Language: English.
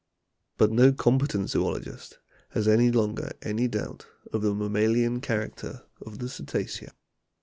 But no com petent zoologist has any longer any doubt of the mammalian character of the Cetacea.